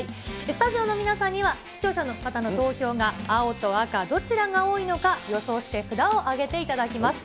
スタジオの皆さんには、視聴者の方の投票が青と赤、どちらが多いのか、予想して札を挙げていただきます。